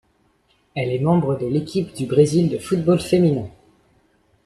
Elle est membre de l'équipe du Brésil de football féminin.